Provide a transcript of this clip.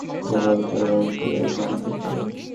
আমাদের নম্রতা আর মহানুভবতা নিয়েও বিদ্রূপ করে!